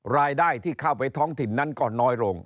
รายได้ที่เข้าไปท้องถิ่นนั้นก็น้อยลง